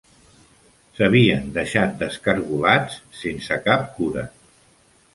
S'havien deixat descargolats sense cap cura.